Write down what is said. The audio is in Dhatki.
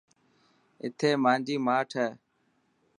اٿي مانجي ماٺ هي.